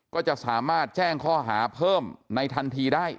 ก็จะสามารถแจ้งข้อหาเพิ่มในทันทีได้